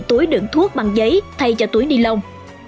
túi đựng thuốc bằng giấy thay cho túi ni lông